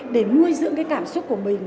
để nuôi dưỡng cái cảm xúc của mình